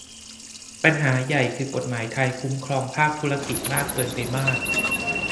ปัญหาใหญ่คือกฏหมายไทยคุ้มครองภาคธุรกิจมากเกินไปมาก